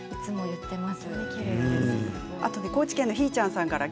高知県の方から。